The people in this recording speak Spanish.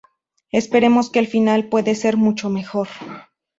Esperemos que el final puede ser mucho mejor.